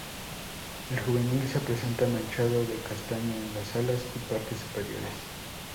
El juvenil se presenta manchado de castaño en las alas y partes superiores.